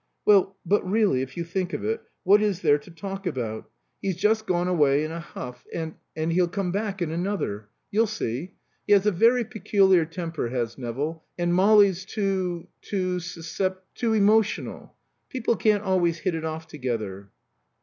"Well but really, if you think of it, what is there to talk about? He's just gone away in a huff, and and he'll come back in another. You'll see. He has a very peculiar temper, has Nevill; and Molly's too too suscept too emotional. People can't always hit it off together."